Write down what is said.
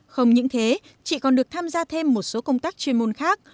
không những thế chị còn được tham gia thêm một số công tác chuyên môn khác